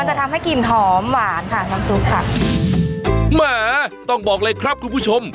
จะทำให้กลิ่นหอมหวานค่ะน้ำซุปค่ะแหมต้องบอกเลยครับคุณผู้ชม